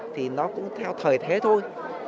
thì nó cũng theo thời thế thôi